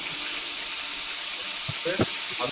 আজ ছিল দৃঢ় পণ– যথাসময়ে বিছানায় শোবে, কিছুতেই অন্যথা হবে না।